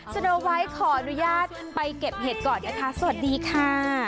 โนไวท์ขออนุญาตไปเก็บเห็ดก่อนนะคะสวัสดีค่ะ